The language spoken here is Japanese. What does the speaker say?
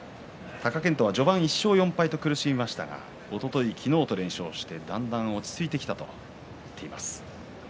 貴健斗は序盤、１勝４敗と苦しみましたがおととい、昨日と連勝してだんだん落ち着いてきたと言っています。